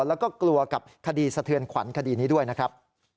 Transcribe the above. แล้วก็กลัวกับคดีสะเทือนขวัญคดีนี้ด้วยนะครับ